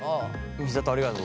美里ありがとう。